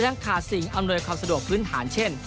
ยังขาดสิ่งอำนวยความสะดวกพื้นฐานเช่น